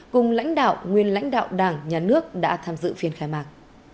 cùng lãnh đạo nguyên lãnh đạo đảng nhà nước đã tham dự phiên khai mạc